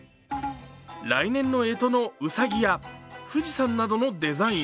来年のえとのうさぎや富士山などのデザイン。